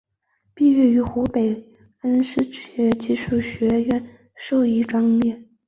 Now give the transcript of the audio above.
毕业于湖北省恩施职业技术学院兽医专业。